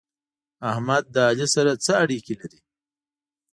احمد له علي سره څه اړېکې لري؟